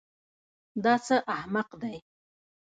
دا څه احمق دی.